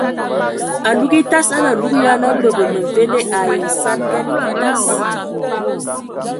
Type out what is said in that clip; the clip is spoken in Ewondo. Alug etas a nə alug ya la bəbə məmvende ai nsanəŋa atas.